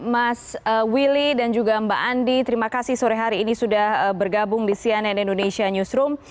mas willy dan juga mbak andi terima kasih sore hari ini sudah bergabung di cnn indonesia newsroom